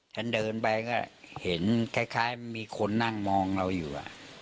ฉันเดินไปก็เห็นคล้ายมีคนนั่งมองเราอยู่